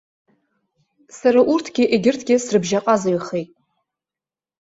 Сара урҭгьы егьырҭгьы срыбжьаҟазаҩхеит.